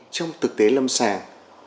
trong thực tế lâm sàng